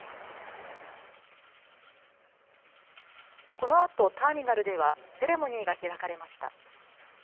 このあとターミナルではセレモニーが開かれました。